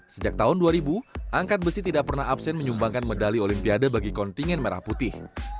sejak tahun dua ribu angkat besi tidak pernah absen menyumbangkan medali olimpiade bagi kontingen merah putih